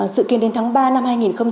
dự kiến đến tháng ba năm hai nghìn hai mươi